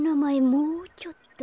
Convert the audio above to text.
もうちょっと。